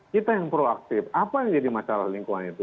kita yang proaktif apa yang jadi masalah lingkungan itu